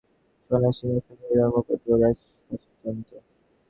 তুমি কি মনে কর রাজ্য কেবল সোনার সিংহাসন, হীরার মুকুট ও রাজছত্র?